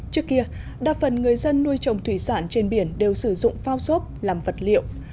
trước kia đa phần người dân nuôi trồng thủy sản trên biển đều sử dụng phao xốp làm vật liệu